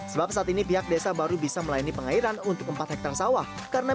sebab saat ini pihak desa baru bisa melayani pengairan untuk empat hektare sawah